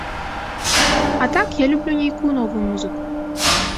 А так я люблю нейкую новую музыку.